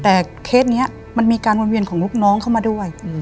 แต่เคสนี้มันมีการวนเวียนของลูกน้องเข้ามาด้วย